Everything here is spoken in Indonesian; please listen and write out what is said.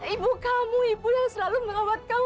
ibu kamu ibu yang selalu merawat kau